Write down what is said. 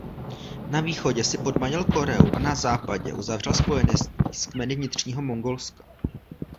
Na východě si podmanil Koreu a na západě uzavřel spojenectví s kmeny Vnitřního Mongolska.